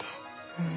うん。